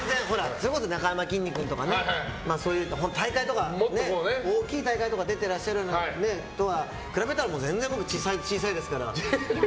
それこそなかやまきんに君とか大きい大会とかに出ていらっしゃる方と比べたら全然小さいですから。